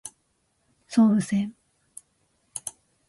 総武線